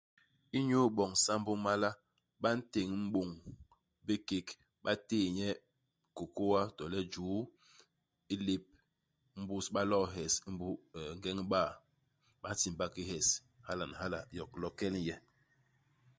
Inyu iboñ sambô i mala, ba ntéñ m'bôñ i bikék, ba téé nye kôkôa to le juu i lép. Imbus ba loo ihes, imbus euh ngeñ iba, ba ntiimba ki hes ; hala ni hala, yo ilo kel i nye.